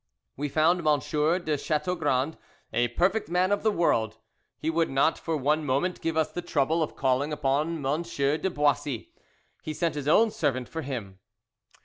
We found Monsieur de Chateaugrand a perfect man of the world he would not for one moment give us the trouble of calling upon Monsieur de Boissy he sent his own servant for him.